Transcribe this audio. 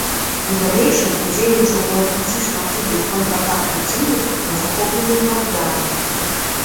У далейшым удзельнічаў у адбіцці шматлікіх контратак праціўніка на захопленым плацдарме.